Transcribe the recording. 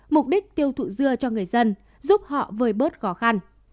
mục đích tiêu thụ dưa cho người dân giúp họ vơi bớt khó khăn